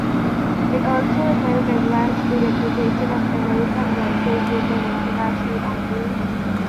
It also helped advance the reputation of American writers with an international audience.